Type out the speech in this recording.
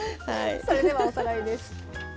それではおさらいです。